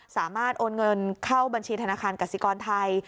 สามารถโอนเงินเข้าบัญชีธนาคารกรัศกรไทย